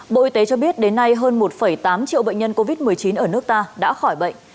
bộ y tế cho biết đến nay hơn một tám triệu bệnh nhân covid một mươi chín ở nước ta đã khỏi bệnh